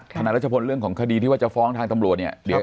คณะรัชพนธ์เรื่องของคดีที่ว่าจะฟ้องทางตำรวจเนี่ย